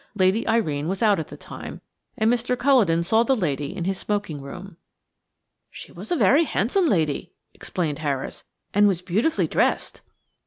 Lady Irene was out at the time, and Mr. Culledon saw the lady in his smoking room. "She was a very handsome lady," explained Harris, "and was beautifully dressed."